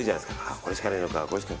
これしかないのかって。